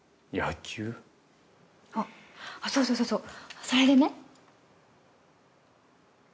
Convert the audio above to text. あっそうそうそうそうそれでね。